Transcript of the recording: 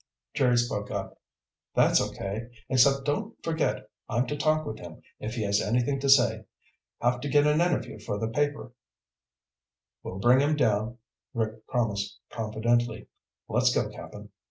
Jerry spoke up. "That's okay, except don't forget I'm to talk with him if he has anything to say. Have to get an interview for the paper." "We'll bring him down," Rick promised confidently. "Let's go, Cap'n."